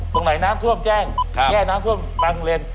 ตรงไหนน้ำท่วมแจ้งน้ำท่วมบางเลน